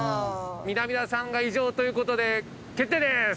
南田さんが異常という事で決定です！